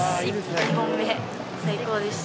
２本目、最高でした。